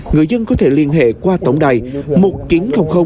người dân có thể liên hệ qua tổng đài